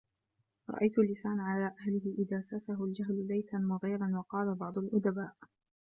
رَأَيْت اللِّسَانَ عَلَى أَهْلِهِ إذَا سَاسَهُ الْجَهْلُ لَيْثًا مُغِيرَا وَقَالَ بَعْضُ الْأُدَبَاءِ